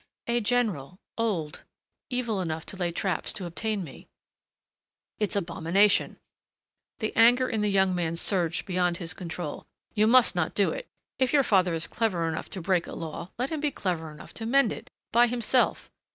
"A general. Old. Evil enough to lay traps to obtain me." "It's abomination." The anger in the young man surged beyond his control. "You must not do it.... If your father is clever enough to break a law let him be clever enough to mend it by himself.